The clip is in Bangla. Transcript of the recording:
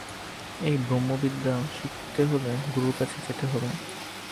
এই ব্রহ্মবিদ্যা শিক্ষা করতে হলে গুরুর কাছে যেতে হবে।